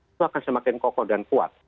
itu akan semakin kokoh dan kuat